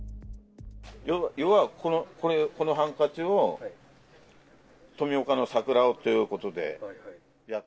要はこのハンカチを富岡の桜ということでやって。